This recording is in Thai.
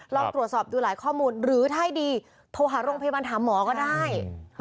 เราตรวจสอบดูหลายข้อมูลหรือถ้าไอดีโทรหาโรงพิธีบรรณะถามหมอก็ได้